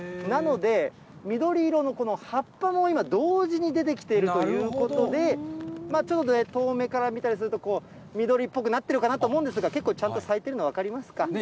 なので、緑色のこの葉っぱも今、同時に出てきているということで、ちょっと遠目から見たりすると、緑っぽくなってるかなと思うんですが、結構ちゃんと咲いてるの、分かりますか。